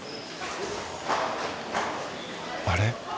あれ？